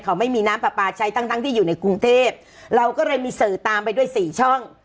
เขาไม่มีน้ำปลาปลาใช้ทั้งทั้งที่อยู่ในกรุงเทพเราก็เลยมีสื่อตามไปด้วยสี่ช่อง